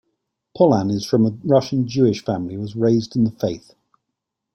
Pollan is from a Russian Jewish family and was raised in the faith.